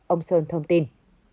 ông sơn thông tin